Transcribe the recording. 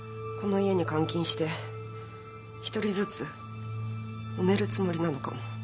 この家に監禁して１人ずつ埋めるつもりなのかも。